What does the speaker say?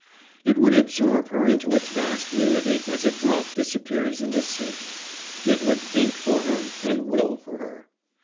It would absorb her into its vast unity as a drop disappears in the sea. It would think for her and will for her.